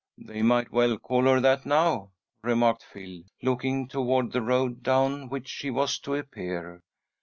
"They might well call her that now," remarked Phil, looking toward the road down which she was to appear.